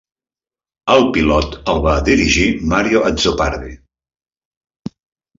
El pilot el va dirigir Mario Azzopardi.